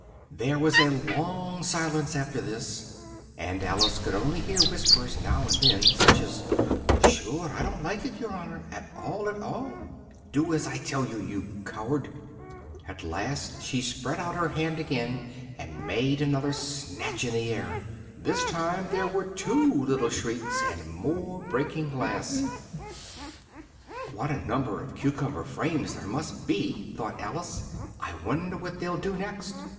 There was a long silence after this, and Alice could only hear whispers now and then, such as "shure I don't like it, yer honour, at all at all!" "do as I tell you, you coward!" and at last she spread out her hand again and made another snatch in the air. This time there were two little shrieks, and more breaking glass "what a number of cucumber frames there must be!" thought Alice, "I wonder what they'll do next!